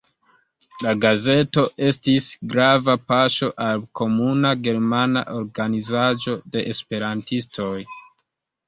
La gazeto estis grava paŝo al komuna germana organizaĵo de esperantistoj.